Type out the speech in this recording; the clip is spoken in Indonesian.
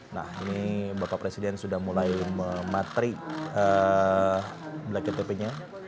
nah ini bapak presiden sudah mulai mematrik bktp nya